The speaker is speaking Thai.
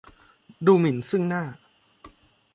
ดูหมิ่นซึ่งหน้า